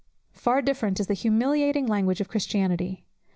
Far different is the humiliating language of Christianity.